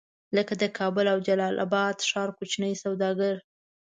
لکه د کابل او جلال اباد ښار کوچني سوداګر.